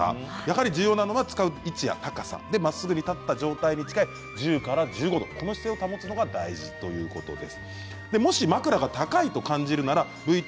重要なのは、使う位置や高さまっすぐに立った状態に近い１０から１５度の姿勢を保つのが大事だということです。